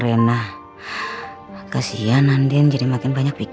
rena kasihan andin jadi makin banyak pikiran